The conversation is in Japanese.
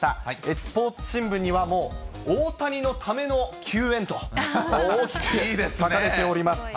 スポーツ新聞には、もう大谷のための球宴と大きく書かれております。